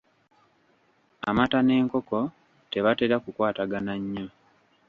Emata n’enkoko tebatera kukwatagana nnyo.